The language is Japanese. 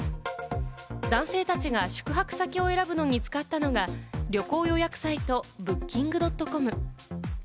男性たちが宿泊先を選ぶのに使ったのが旅行予約サイト、Ｂｏｏｋｉｎｇ．ｃｏｍ。